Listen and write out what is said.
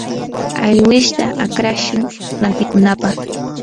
alwishta akrashun rantikunapaq.